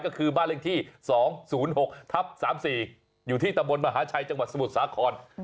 ก็คือบ้านเลขที่๒๐๖ทับ๓๔อยู่ที่ตำบลมหาชัยจังหวัดสมุทรสาคร